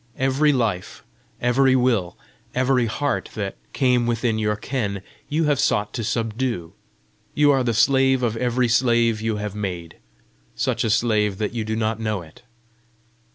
Every life, every will, every heart that came within your ken, you have sought to subdue: you are the slave of every slave you have made such a slave that you do not know it!